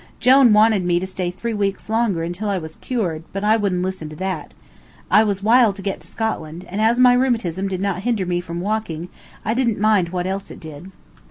Jone wanted me to stay three weeks longer until I was cured, but I wouldn't listen to that. I was wild to get to Scotland, and as my rheumatism did not hinder me from walking, I didn't mind what else it did.